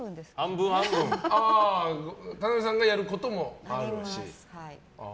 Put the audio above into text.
田辺さんがやることもあると。